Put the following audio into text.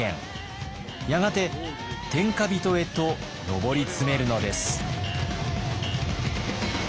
やがて天下人へと上り詰めるのです。